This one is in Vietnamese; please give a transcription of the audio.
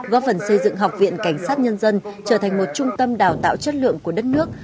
góp phần xây dựng học viện cảnh sát nhân dân trở thành một trung tâm đào tạo chất lượng của đất nước